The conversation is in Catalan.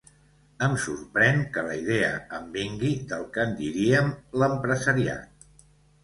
Em sorprèn que la idea em vingui del que en diríem l'empresariat.